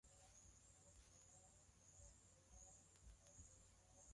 Tupambane kuwa na udhibiti ili kuenda sambamba na mataifa mengine